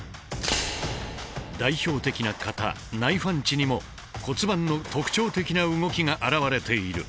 代表的な型「ナイファンチ」にも骨盤の特徴的な動きが表れている。